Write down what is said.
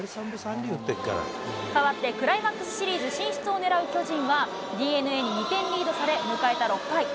変わって、クライマックスシリーズ進出をねらう巨人は、ＤｅＮＡに２点リードされ、迎えた６回。